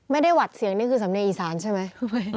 หวัดเสียงนี่คือสำเนียงอีสานใช่ไหม